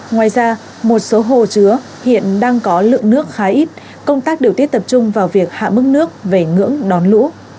ngoài ra một số hồ chứa hiện đang có lượng nước khá ít công tác điều tiết tập trung vào việc hạ mức nước về ngưỡng đón lũ